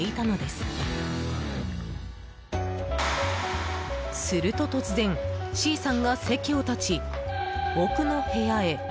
すると突然Ｃさんが席を立ち、奥の部屋へ。